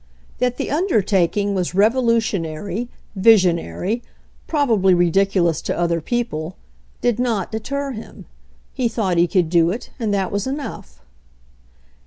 That the undertaking was revolutionary, vision ary, probably ridiculous to other people, did not deter him; he thought he could do it, and that was enough.